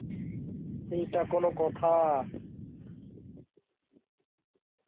এছাড়া এখানে বিভিন্ন শিল্প ও কল-কারখানা গড়ে উঠছে।